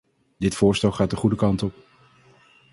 Dit voorstel gaat de goede kant op.